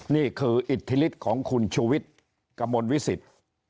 นี่คืออิทธิฤทธิ์ของคุณชูวิทย์กระมวลวิสิต